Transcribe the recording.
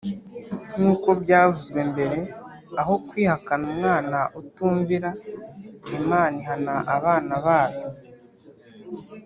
Nk'uko byavuzwe mbere, aho kwihakana umwana utumvira, Imana ihana abana bayo.